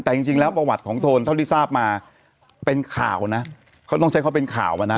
แต่จริงแล้วประวัติของโทนเท่าที่ทราบมาเป็นข่าวนะเขาต้องใช้เขาเป็นข่าวอ่ะนะ